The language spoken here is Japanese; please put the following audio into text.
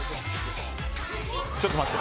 ちょっと待って。